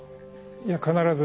いや必ず。